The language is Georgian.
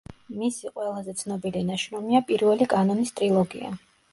მისი ყველაზე ცნობილი ნაშრომია „პირველი კანონის“ ტრილოგია.